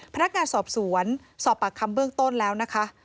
พนักงานสอบสวนสอบปากคำเบื้องต้นแล้วนะคะ